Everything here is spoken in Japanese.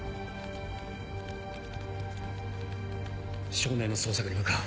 少年の捜索に向かう。